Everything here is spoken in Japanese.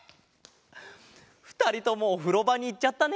ふたりともおふろばにいっちゃったね。